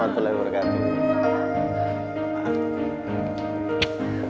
wa rahmatullahi wa barakatuh